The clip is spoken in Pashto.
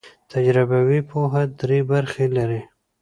تجربوي پوهه درې برخې لري.